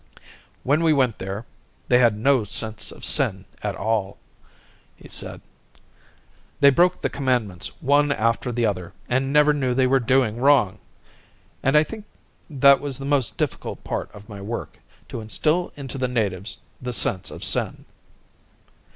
"When we went there they had no sense of sin at all," he said. "They broke the commandments one after the other and never knew they were doing wrong. And I think that was the most difficult part of my work, to instil into the natives the sense of sin."